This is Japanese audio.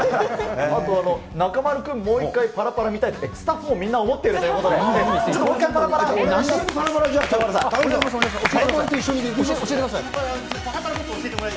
あとは中丸君、もう一回、パラパラ見たいって、スタッフもみんな思ってるということで、パラパラ。